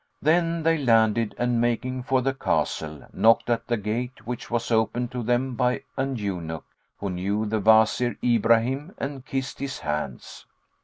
Then they landed and, making for the castle, knocked at the gate which was opened to them by an eunuch, who knew the Wazir Ibrahim and kissed his hands.